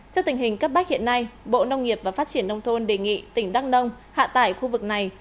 trước tình hình cấp bách hiện nay bộ nông nghiệp và phát triển nông thôn đề nghị tỉnh đắk nông hạ tải khu vực này